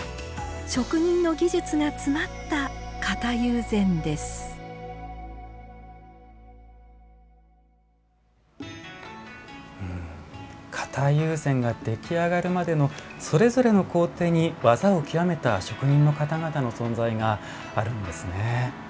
職人の技術が詰まった型友禅です型友禅が出来上がるまでのそれぞれの工程に技を極めた職人の方々の存在があるんですね。